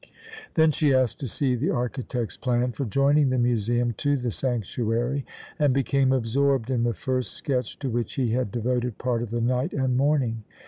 Then she asked to see the architect's plan for joining the museum to the sanctuary, and became absorbed in the first sketch, to which he had devoted part of the night and morning.